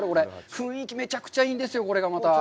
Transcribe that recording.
雰囲気、めちゃくちゃいいんですよ、これがまた。